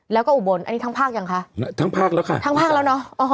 แล้วก็อุบลอันนี้ทั้งภาคยังคะทั้งภาคแล้วค่ะทั้งภาคแล้วเนอะ